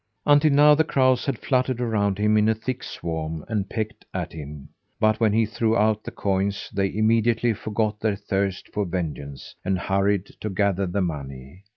Until now the crows had fluttered around him in a thick swarm and pecked at him, but when he threw out the coins they immediately forgot their thirst for vengeance, and hurried to gather the money.